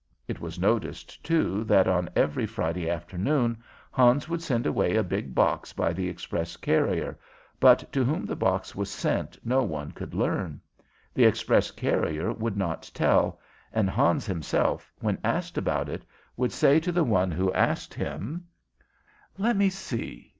It was noticed, too, that on every Friday afternoon Hans would send away a big box by the express carrier, but to whom the box was sent no one could learn. The express carrier would not tell, and Hans himself, when asked about it, would say to the one who asked him: "Let me see.